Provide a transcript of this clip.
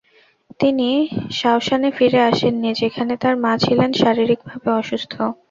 তিনি শাওশানে ফিরে আসেননি, যেখানে তার মা ছিলেন শারীরিকভাবে অসুস্থ।